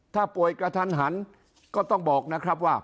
ถ้าป่วยกระทันหันก็ต้องบอกนะครับว่า